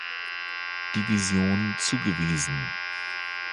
Division zugewiesen.